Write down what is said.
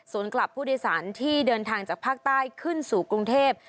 ส่วนกลับผู้โดยสารที่เดินทางจากภาคใต้ขึ้นสู่กรุงเทพ